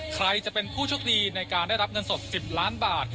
ใครจะเป็นผู้โชคดีในการได้รับเงินสด๑๐ล้านบาท